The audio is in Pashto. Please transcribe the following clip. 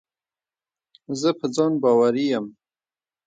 زه په ځان باوري یم.